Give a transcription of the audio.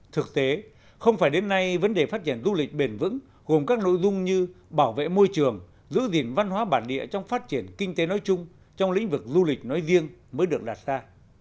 thực tế không phải đến nay vấn đề phát triển du lịch bền vững gồm các nội dung như bảo vệ môi trường giữ gìn văn hóa bản địa trong phát triển kinh tế nói chung trong lĩnh vực du lịch nói riêng mới được đặt ra